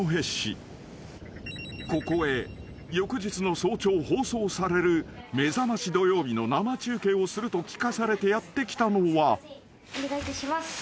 ［ここへ翌日の早朝放送される『めざましどようび』の生中継をすると聞かされてやって来たのは］